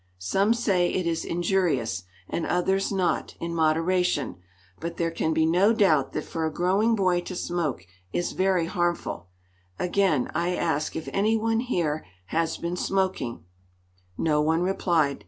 Some say it is injurious, and others not, in moderation. But there can be no doubt that for a growing boy to smoke is very harmful. Again I ask if anyone here has been smoking?" No one replied.